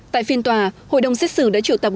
tại phiên tòa hội đồng xét xử đã triệu tập